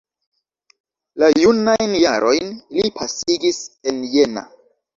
La junajn jarojn li pasigis en Jena.